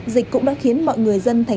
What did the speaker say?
dịch cũng đã khiến mọi người dân tp hcm